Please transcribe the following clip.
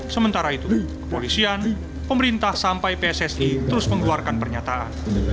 sementara itu kepolisian pemerintah sampai pssi terus mengeluarkan pernyataan